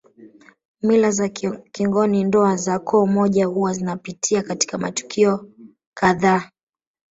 Mila za kingoni ndoa za koo moja huwa zinapitia katika matukio kadhaa